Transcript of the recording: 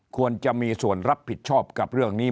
ควรจะมีส่วนรับผิดชอบกับเรื่องนี้